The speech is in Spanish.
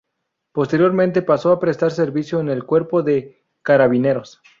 Posteriormente pasó a prestar servicio en el Cuerpo de Carabineros.